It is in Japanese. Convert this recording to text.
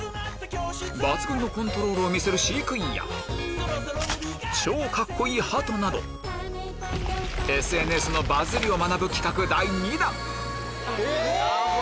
抜群のコントロールを見せる飼育員や超カッコいいハトなどＳＮＳのバズりを学ぶ企画第２弾え！